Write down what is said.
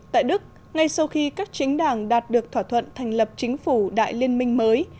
tại đức ngay sau khi các chính đảng đạt được thỏa thuận thành lập chính phủ đại liên minh mới